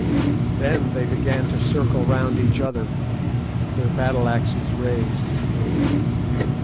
Then they began to circle round each other, their battle axes raised.